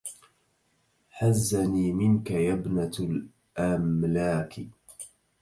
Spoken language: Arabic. حزني منك يا ابنة الأملاك